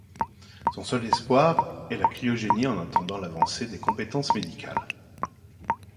Son seul espoir est la cryogénie en attendant l'avancée des compétences médicales.